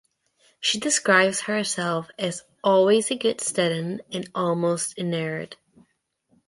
She describes herself as "always a good student" and "Almost a nerd.